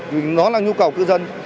vì nó là nhu cầu cư dân